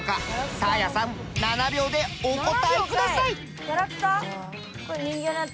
サーヤさん７秒でお答えください。